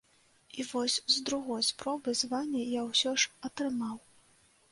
І вось з другой спробы званне я ўсё ж атрымаў.